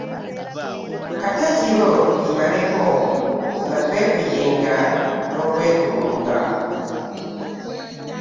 Kata ekiro tukimaleko nga twekuyenga n'okwevulunga.